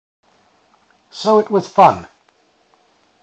So it was fun.